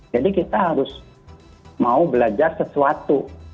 jadi kita harus mau belajar sesuatu